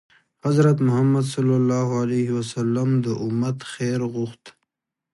حضرت محمد ﷺ د امت خیر غوښت.